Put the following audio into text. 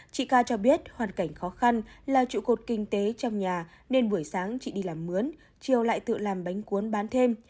chị ca cho biết hoàn cảnh khó khăn là trụ cột kinh tế trong nhà nên buổi sáng chị đi làm mướn triều lại tự làm bánh cuốn bán thêm